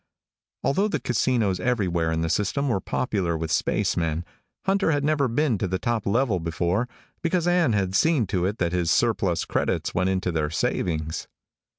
Although the casinos everywhere in the system were popular with spacemen, Hunter had never been to the top level before because Ann had seen to it that his surplus credits went into their savings.